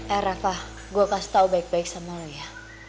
eh rafa gue kasih tau baik baik sama lo ya